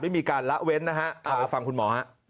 ไม่มีการละเว้นนะฮะฟังคุณหมอ